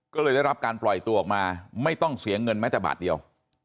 ก็เลยได้รับการปล่อยตัวออกมาไม่ต้องเสียเงินแม้แต่บาทเดียว